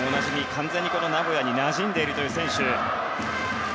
完全に名古屋になじんでいる選手。